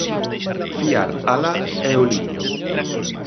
Fiar a la e o liño.